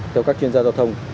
theo các chuyên gia giao thông